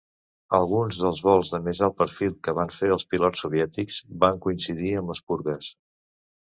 Alguns dels vols de més alt perfil que van fer els pilots soviètics van coincidir amb les purgues.